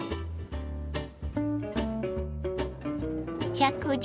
１１０